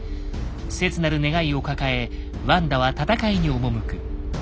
切なる願いを抱えワンダは戦いに赴く。